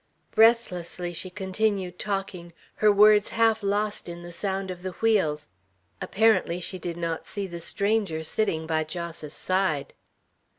Breathlessly she continued talking, her words half lost in the sound of the wheels. Apparently she did not see the stranger sitting by Jos's side.